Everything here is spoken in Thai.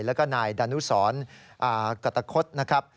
แล้วก็นายดานุสรกัตตะคดนะครับ